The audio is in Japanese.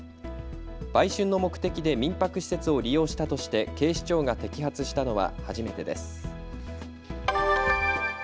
売春の目的で民泊施設を利用したとして警視庁が摘発したのは初めてです。